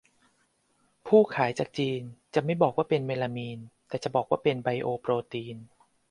ผู้ขายจากจีน จะไม่บอกว่าเป็นเมลามีน แต่บอกว่าเป็นไบโอโปรตีน